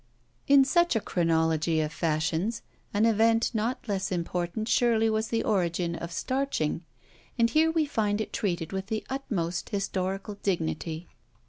'" In such a chronology of fashions, an event not less important surely was the origin of starching; and here we find it treated with the utmost historical dignity.